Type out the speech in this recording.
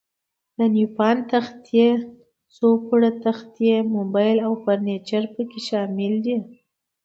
د نیوپان تختې، څو پوړه تختې، موبل او فرنیچر پکې شامل دي.